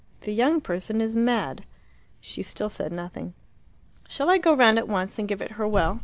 The young person is mad." She still said nothing. "Shall I go round at once and give it her well?